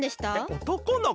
おとこのこ？